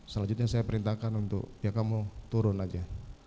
selanjutnya saya perintahkan untuk ya kamu turun aja